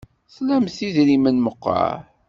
Tlamt idrimen meqqar?